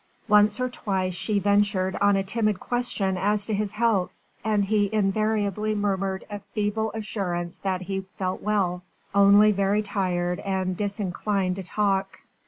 Once or twice she ventured on a timid question as to his health and he invariably murmured a feeble assurance that he felt well, only very tired and disinclined to talk.